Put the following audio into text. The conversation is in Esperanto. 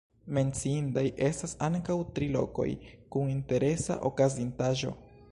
Menciindaj estas ankaŭ tri lokoj kun interesa okazintaĵo.